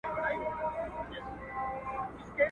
تېر پر تېر، هېر پر هېر.